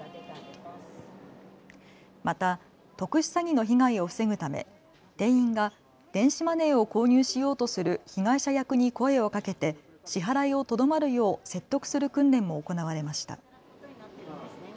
また特殊詐欺の被害を防ぐため店員が電子マネーを購入しようとする被害者役に声をかけて支払いをとどまるよう説得する訓練も行われました。